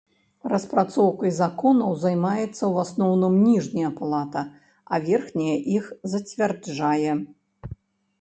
Распрацоўкай законаў займаецца ў асноўным ніжняя палата, а верхняя іх зацвярджае.